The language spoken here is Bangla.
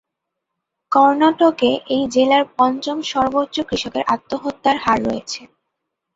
কর্ণাটকে এই জেলার পঞ্চম সর্বোচ্চ কৃষকের আত্মহত্যার হার রয়েছে।